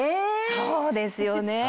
そうですよね。